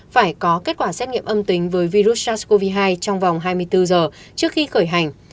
phải có kết quả xét nghiệm âm tính với virus sars cov hai trong vòng hai mươi bốn giờ trước khi khởi hành